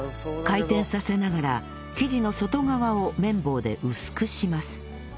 回転させながら生地の外側を麺棒で薄くします